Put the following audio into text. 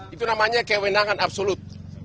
itu namanya kewenangan absolut